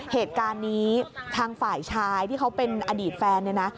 เหตุการณ์นี้ทางฝ่ายชายที่เขาเป็นอดีตแฟนเนี่ยนะ